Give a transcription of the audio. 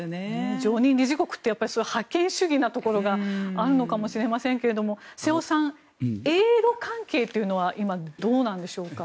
常任理事国って覇権主義なところがあるのかもしれませんけども瀬尾さん、英露関係というのは今どうなんでしょうか。